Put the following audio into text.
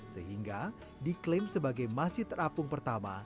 sehingga diklaim sebagai masjid terapung pertama